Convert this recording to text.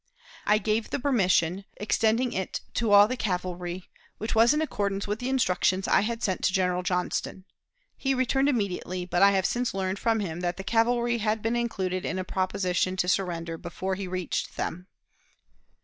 I gave the permission, extending it to all the cavalry, which was in accordance with the instructions I had sent to General Johnston. He returned immediately, but I have since learned from him that the cavalry had been included in a proposition to surrender, before he reached them.